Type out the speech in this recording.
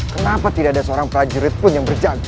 kenapa tidak ada seorang prajurit pun yang berjaga